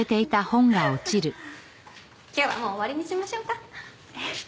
今日はもう終わりにしましょうか。